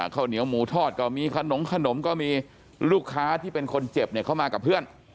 ข้าวเหนียวหมูทอดก็มีขนมขนมก็มีลูกค้าที่เป็นคนเจ็บเนี่ยเข้ามากับเพื่อน